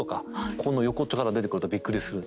この横っちょから出てくるとびっくりする。